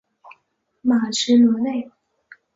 马兹罗勒。